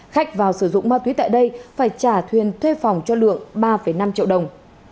khách vào sử dụng ma túy tại đây phải trả thuyền thuê phòng cho lượng ba năm triệu đồng